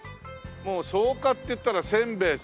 もう草加っていったらせんべいさ。